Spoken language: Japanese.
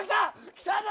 来たぞ！